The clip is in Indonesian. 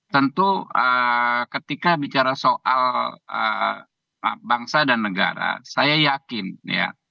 tentu ketika bicara soal bangsa dan negara saya yakin ya